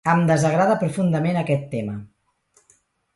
Em desagrada profundament aquest tema.